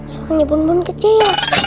suaranya bun bun kecil